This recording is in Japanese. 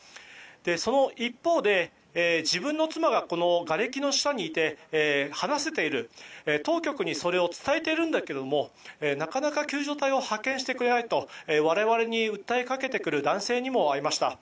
その一方で、自分の妻ががれきの下にいて話せている、当局にそれを伝えているんだけどもなかなか救助隊を発見してくれないと我々に訴えかけてくる男性にも会いました。